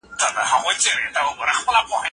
د ټولني مشر باید عادل وي.